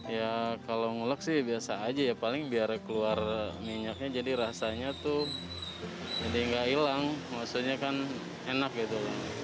ya kalau ngulek sih biasa aja ya paling biar keluar minyaknya jadi rasanya tuh jadi nggak hilang maksudnya kan enak gitu